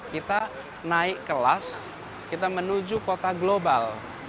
kita naik kelas kita menuju kota global